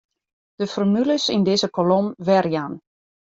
De formules yn dizze kolom werjaan.